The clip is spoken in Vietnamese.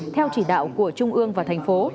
theo chỉ đạo của trung ương và thành phố